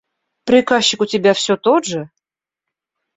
Приказчик у тебя все тот же?